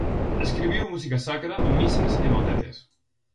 Escribiu música sacra, misas e motetes.